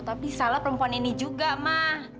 tapi salah perempuan ini juga mah